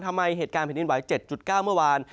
ทำไมเหตุการณ์แผนดินไว้๗๙เมื่อวาน